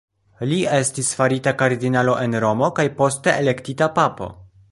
Li estis farita kardinalo en Romo, kaj poste elektita papo.